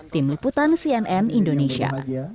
tim liputan cnn indonesia